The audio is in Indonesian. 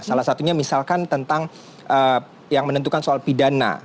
salah satunya misalkan tentang yang menentukan soal pidana